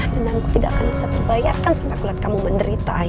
dan aku tidak akan bisa dibayarkan sampai aku lihat kamu menderita ayu